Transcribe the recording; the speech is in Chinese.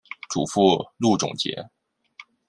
祖父路仲节。